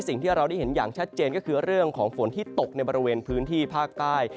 สิ่งที่เราได้เห็นอย่างชัดเจนก็คือเรื่องของฝนที่ตกในบริเวณพื้นที่ภาคใต้